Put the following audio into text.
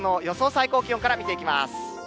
最高気温から見ていきます。